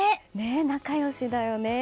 仲良しだよね。